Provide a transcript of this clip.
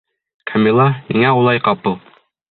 Камила, ниңә улай ҡапыл?..